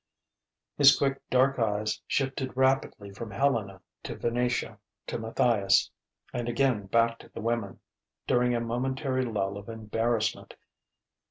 His quick dark eyes shifted rapidly from Helena to Venetia, to Matthias, and again back to the women, during a momentary lull of embarrassment.